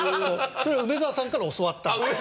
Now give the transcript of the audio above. それ梅沢さんから教わった。